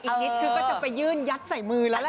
อีกนิดคือก็จะไปยื่นยัดใส่มือแล้วล่ะ